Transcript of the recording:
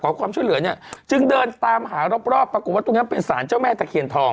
ขอความช่วยเหลือเนี่ยจึงเดินตามหารอบรอบปรากฏว่าตรงนั้นเป็นสารเจ้าแม่ตะเคียนทอง